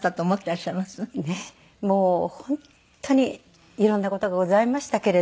もう本当に色んな事がございましたけれども。